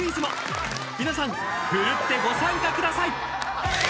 ［皆さん奮ってご参加ください］